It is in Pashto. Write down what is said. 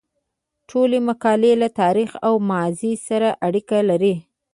ټولې مقالې له تاریخ او ماضي سره اړیکه لري.